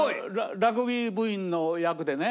ラグビー部員の役でね。